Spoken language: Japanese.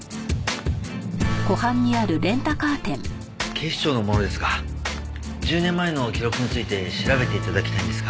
警視庁の者ですが１０年前の記録について調べて頂きたいんですが。